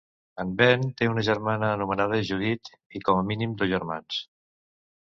En Ben té una germana anomenada Judith i com a mínim dos germans.